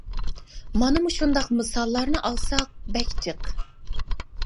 مانا مۇشۇنداق مىساللارنى ئالساق بەك جىق.